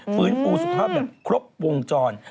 ฟื้นฟูสภาพแบบครบวงจร